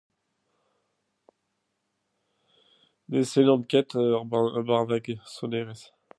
Ne sonan ket ur benveg sonerezh.